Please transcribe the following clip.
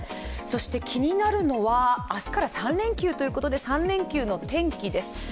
気になるのは明日から３連休ということで３連休の天気です。